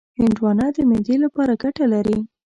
هندوانه د معدې لپاره ګټه لري.